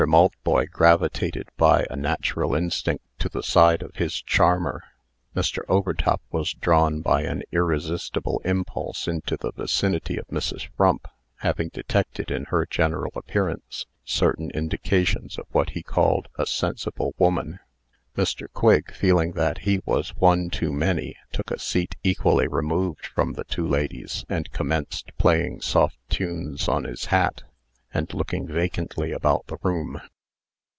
Maltboy gravitated by a natural instinct to the side of his charmer. Mr. Overtop was drawn by an irresistible impulse into the vicinity of Mrs. Frump, having detected in her general appearance certain indications of what he called "a sensible woman." Mr. Quigg, feeling that he was one too many, took a "seat equally removed from the two ladies, and commenced playing soft tunes on his hat, and looking vacantly about the room.